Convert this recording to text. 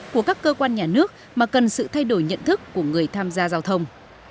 của các cơ quan nhà nước mà cần sự thay đổi nhận thức của người tham gia giao thông